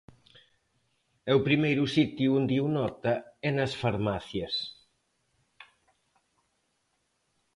E o primeiro sitio onde o nota é nas farmacias.